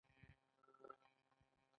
دوی ادعا کوي چې ستاسو له هېواد سره مرسته کوو